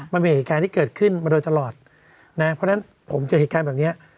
มันเป็นเหตุการณ์ที่เกิดขึ้นมาโดยตลอดนะเพราะฉะนั้นผมเจอเหตุการณ์แบบนี้